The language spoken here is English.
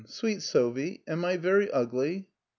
" Sweet Sophie, am I very ugly?